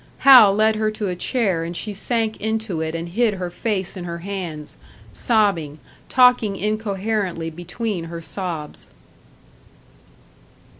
Hal led her to a chair, and she sank into it and hid her face in her hands, sobbing, talking incoherently between her sobs.